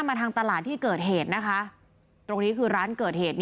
มาทางตลาดที่เกิดเหตุนะคะตรงนี้คือร้านเกิดเหตุ